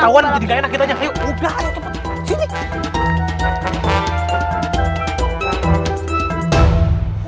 kalau pade tak ketahuan jadi ga enak kita nyang